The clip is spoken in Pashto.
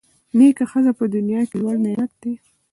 نېکه ښځه په دنیا کي لوی نعمت دی.